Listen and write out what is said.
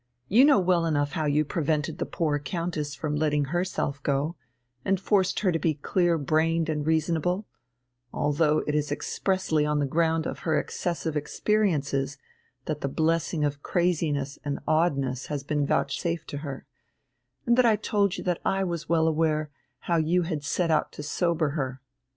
You know well enough how you prevented the poor Countess from letting herself go, and forced her to be clear brained and reasonable, although it is expressly on the ground of her excessive experiences that the blessing of craziness and oddness has been vouchsafed to her, and that I told you that I was well aware how you had set out to sober her.